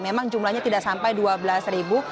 memang jumlahnya tidak sampai dua belas ribu